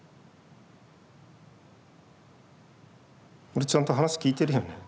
俺ちゃんと話聞いてるよね？